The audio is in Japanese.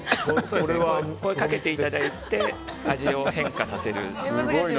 かけていただいて味を変化させる。